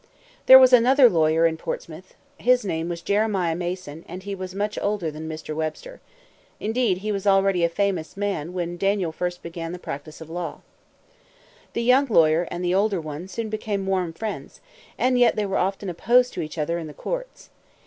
There was another great lawyer in Portsmouth. His name was Jeremiah Mason, and he was much older than Mr. Webster. Indeed, he was already a famous man when Daniel first began the practice of law. The young lawyer and the older one soon became warm friends; and yet they were often opposed to each other in the courts.